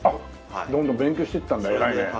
どんどん勉強していったんだ偉いね。